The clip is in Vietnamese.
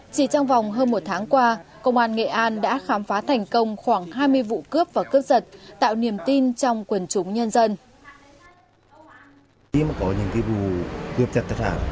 chỉ trong vòng hơn một tháng qua công an nghệ an đã khám phá thành công khoảng hai mươi vụ cướp và cướp giật tạo niềm tin trong quần chúng nhân dân